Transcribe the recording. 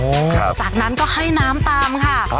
ครับจากนั้นก็ให้น้ำตามค่ะครับ